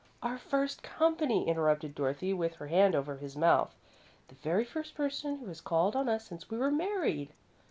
"Our first company," interrupted Dorothy, with her hand over his mouth. "The very first person who has called on us since we were married!"